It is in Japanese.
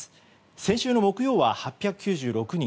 先週の木曜は８９６人。